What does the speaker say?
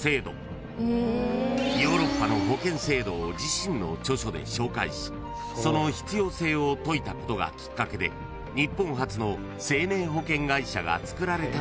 ［ヨーロッパの保険制度を自身の著書で紹介しその必要性を説いたことがきっかけで日本初の生命保険会社がつくられたといわれています］